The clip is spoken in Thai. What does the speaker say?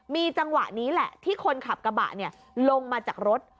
มีจังหวะนี้แหละที่คนขับกระบะลงมาจากรถ